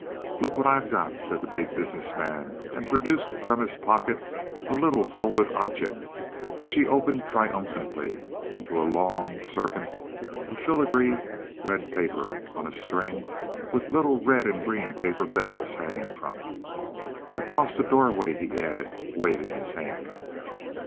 "Look what I've got," said the Big Business Man, and produced from his pocket a little folded object which he opened triumphantly into a long serpent of filigree red paper on a string with little red and green paper bells hanging from it. "Across the doorway," he added, waving his hand.